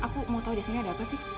aku mau tahu di sini ada apa sih